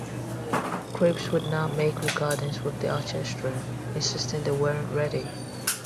Krips would not make recordings with the orchestra, insisting they weren't ready.